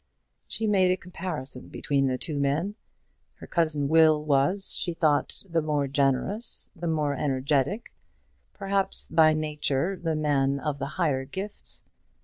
She made a comparison between the two men. Her cousin Will was, she thought, the more generous, the more energetic, perhaps, by nature, the man of the higher gifts.